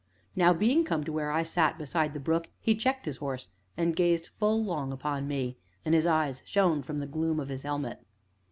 Now, being come to where I sat beside the brook, he checked his horse, and gazed full long upon me, and his eyes shone from the gloom of his helmet.